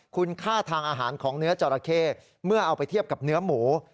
คุณค่าทางอาหารของเนื้อจราเข้เมื่อเอาไปเทียบกับเนื้อหมู